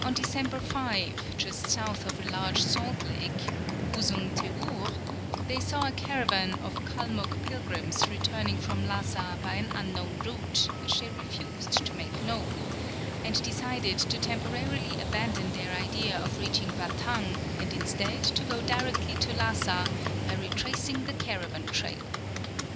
On December 5, just south of a large salt lake (Ouzoun tchour), they, saw a cara^^an of Kalmouk pilgrims returning from Lassa by an unknown route, which they refused to make known, and decided to temporarily abandon their idea of reaching Batang and instead to go direct to Lassa by retracing the caravan trail.